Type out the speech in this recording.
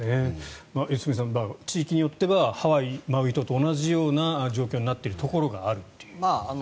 良純さん、地域によってはハワイ・マウイ島と同じような状況になっているところがあるという。